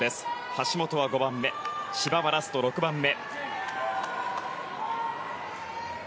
橋本は５番目千葉はラスト、６番目。